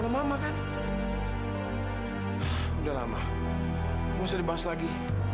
mau seribas lagi